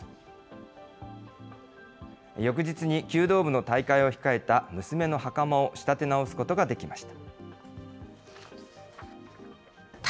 翌日に弓道部の大会を控えた娘のはかまを仕立て直すことができました。